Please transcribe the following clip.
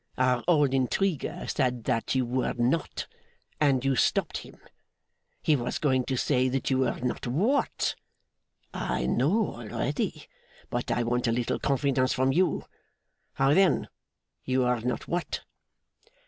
Our old intriguer said that you were not and you stopped him. He was going to say that you were not what? I know already, but I want a little confidence from you. How, then? You are not what?